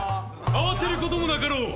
慌てることもなかろう。